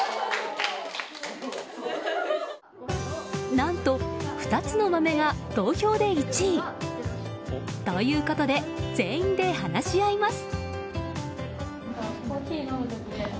何と、２つの豆が同票で１位。ということで全員で話し合います。